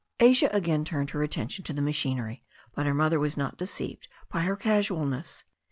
Asia again turned her attention to the machinery, but her mother was not deceived by her casualness.